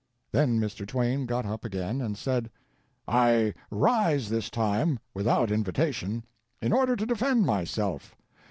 Then Mr. Twain got up again and said: "I rise this time without invitation, in order to defend myself.